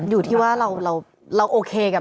อยู่ที่ว่าเราโอเคกับ